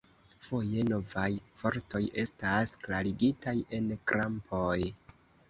Foje novaj vortoj estas klarigitaj en krampoj.